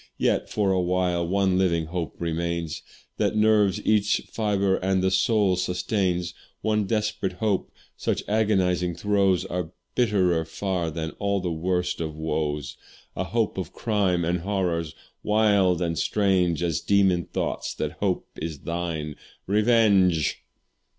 Yet, for a while, one living hope remains, That nerves each fibre and the soul sustains; One desperate hope, whose agonizing throes Are bitterer far than all the worst of woes; A hope of crime and horrors, wild and strange As demon thoughts that hope is thine, Revenge!